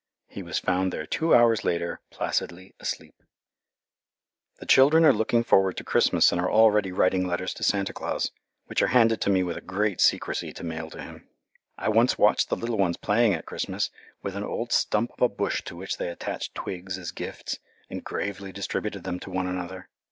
He was found there two hours later placidly asleep. [Illustration: MRS. UNCLE LIFE FOUND THE LEADER OF THE TEAM IN HER BED] The children are looking forward to Christmas and are already writing letters to Santa Claus, which are handed to me with great secrecy to mail to him. I once watched the little ones playing at Christmas with an old stump of a bush to which they attached twigs as gifts and gravely distributed them to one another.